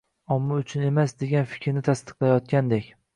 omma uchun emas, degan fikrni tasdiqlayotgandek…